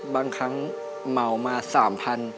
บางครั้งเมามาสามพัน